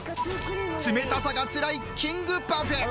冷たさがつらいキングパフェ。